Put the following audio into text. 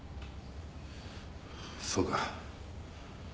そうか。